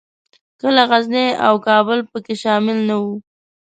کله غزني او کابل پکښې شامل نه وو.